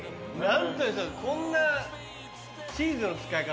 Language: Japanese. こんなチーズの使い方